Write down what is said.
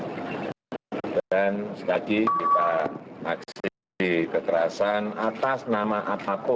dan sekali lagi kita aksi kekerasan atas nama apapun